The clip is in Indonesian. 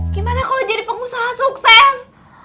gimana kalau jadi pengusaha sukses